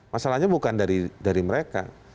masalahnya bukan dari mereka